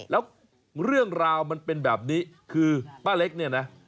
แล้วเรื่องราวมันเป็นแบบนี้คือป้าเล็กเนี่ยนะ